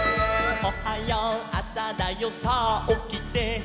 「おはようあさだよさあおきて」